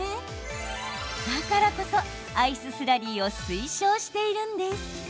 だからこそ、アイススラリーを推奨しているんです。